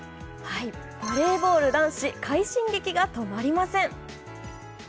バレーボール男子快進撃が止まりません。